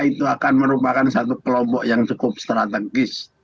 itu akan merupakan satu kelompok yang cukup strategis